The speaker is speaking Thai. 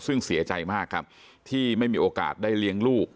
ซึ่งเสียใจมากครับที่ไม่มีโอกาสได้เลี้ยงลูก